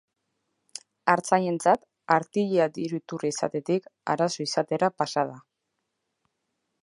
Artzainentzat, artilea diru iturri izatetik, arazo izatera pasa da.